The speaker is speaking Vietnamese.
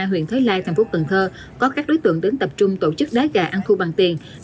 huyện thới lai thành phố cần thơ có các đối tượng đến tập trung tổ chức đá gà ăn thu bằng tiền